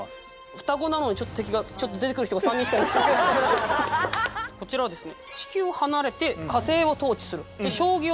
双子なのにちょっと敵がちょっと出てくる人が３人しかいないですけどこちらはですね